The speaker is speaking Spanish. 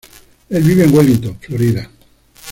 Él vive en Wellington, Florida.